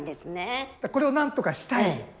これをなんとかしたい。